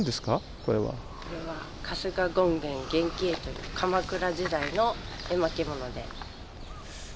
これは「春日権現験記絵」という鎌倉時代の絵巻物で。